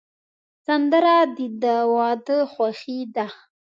سندره د واده خوښي ده